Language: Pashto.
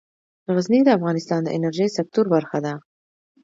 غزني د افغانستان د انرژۍ سکتور برخه ده.